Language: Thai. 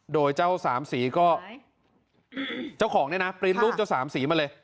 โดยเจ้าสามสีก็เจ้าของเนี่ยนะปริ้นต์รูปเจ้าสามสีมาเลย